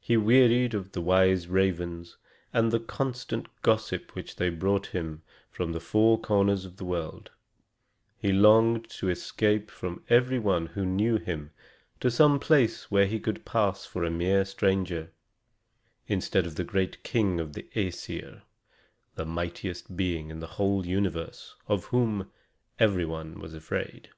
He wearied of his wise ravens, and the constant gossip which they brought him from the four corners of the world; and he longed to escape from every one who knew him to some place where he could pass for a mere stranger, instead of the great king of the Æsir, the mightiest being in the whole universe, of whom every one was afraid.